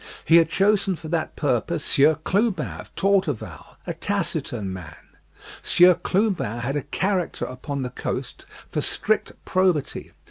He had chosen for that purpose Sieur Clubin, of Torteval, a taciturn man. Sieur Clubin had a character upon the coast for strict probity.